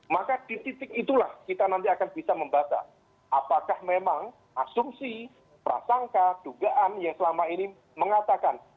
maka di titik itulah kita nanti akan bisa membaca apakah memang asumsi prasangka dugaan yang selama ini mengatakan